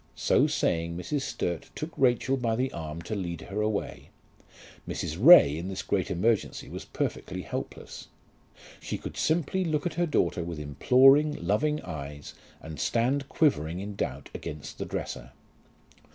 So saying Mrs. Sturt took Rachel by the arm to lead her away. Mrs. Ray in this great emergency was perfectly helpless. She could simply look at her daughter with imploring, loving eyes, and stand quivering in doubt against the dresser.